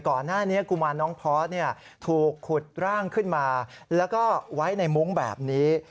ก่อนหน้านี้กุมารน้องพอสถูกขุดร่างขึ้นมาแล้วก็ไว้ในมุ้งแบบนี้